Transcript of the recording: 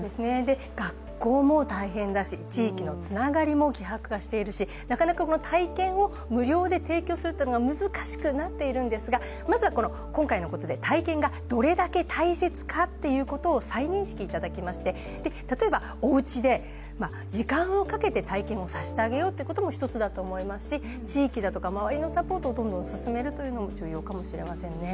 学校も大変だし地域のつながりも希薄化しているしなかなかこの体験を無料で提供するということが難しくなっているんですがまずは今回のことで体験がどれだけ大切かということを再認識いただきまして、例えばおうちで、時間をかけて体験をさせてあげようというのも一つだと思いますし、地域だとか周りのサポートを進めるというのも重要かもしれませんね。